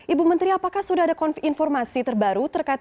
ibu menteri apakah sudah ada konfirmasi terbaru terkait penyerangan ini